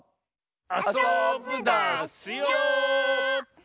あそぶダスよ！